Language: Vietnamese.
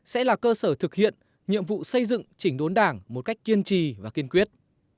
sẽ là cơ sở thực hiện nhiệm vụ xây dựng chỉnh đốn đảng một cách kiên trì và kiên quyết